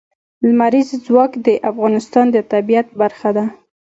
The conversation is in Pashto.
لمریز ځواک د افغانستان د طبیعت برخه ده.